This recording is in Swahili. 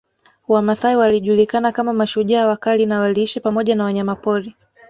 Wamasai walijulikana kama mashujaa wakali na waliishi pamoja na wanyamapori